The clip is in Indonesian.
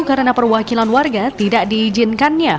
karena perwakilan warga tidak diizinkannya